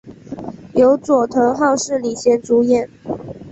由佐藤浩市领衔主演。